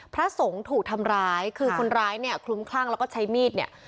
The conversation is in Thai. พระสงฆ์ถูกทำร้ายคือคนร้ายเนี่ยคลุ้มคลั่งแล้วก็ใช้มีดเนี่ย